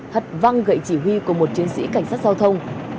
hật văng gậy chỉ huy của một chiến sĩ cảnh sát giao thông